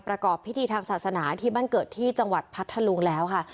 ประกอบพิธีทางศาสนาที่บ้านเกิดที่จังหวัดพัทธลุงแล้วค่ะ